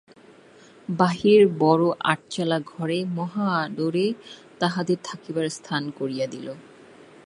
বাহিরের বড় আটচালা ঘরে মহা আদরে তাঁহাদের থাকিবার স্থান করিয়া দিল।